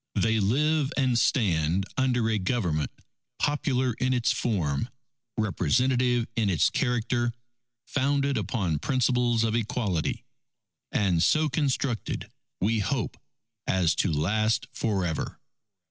They live and stand under a Government popular in its form, representative in its character, founded upon principles of equality, and so constructed, we hope, as to last for ever....